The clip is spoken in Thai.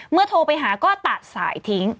เมื่อโทรไปหาก็ตัดสายทิ้ง